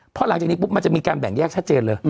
พอหลังจากนี้ปุ๊บมันจะมีการแบ่งแยกชัดเจนเลย